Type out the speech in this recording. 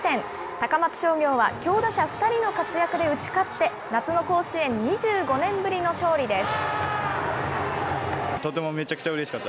高松商業は強打者２人の活躍で打ち勝って、夏の甲子園２５年ぶりの勝利です。